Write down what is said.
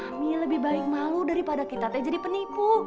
kami lebih baik malu daripada kita teh jadi penipu